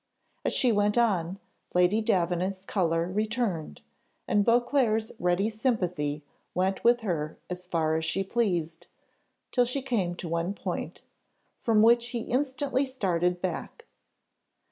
As she went on, Lady Davenant's colour returned and Beauclerc's ready sympathy went with her as far as she pleased, till she came to one point, from which he instantly started back.